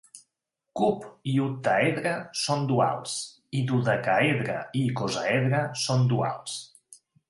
Cub i octaedre són duals, i dodecaedre i icosàedre són duals.